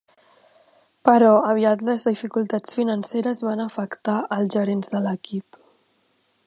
Però aviat les dificultats financeres van afectar els gerents de l'equip.